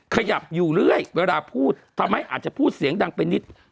ขยับอยู่เรื่อยเวลาพูดทำให้อาจจะพูดเสียงดังไปนิด